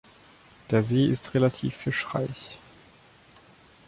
Der See ist relativ fischreich.